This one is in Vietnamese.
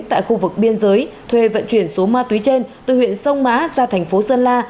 tại khu vực biên giới thuê vận chuyển số ma túy trên từ huyện sông mã ra thành phố sơn la